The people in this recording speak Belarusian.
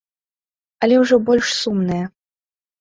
Але ўжо больш сумная.